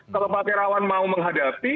kalau pak terawan mau menghadapi